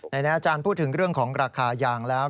ไหนนะอาจารย์พูดถึงเรื่องของราคายางแล้ว